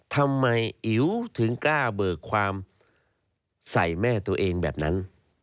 ทำไมอิ๋วถึงกล้าเบิกความใส่แม่ตัวเองแบบนั้น